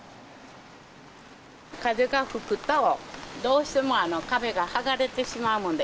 風が吹くと、どうしても壁が剥がれてしまうもんで。